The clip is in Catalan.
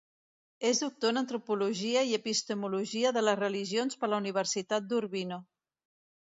És doctor en antropologia i epistemologia de les religions per la Universitat d'Urbino.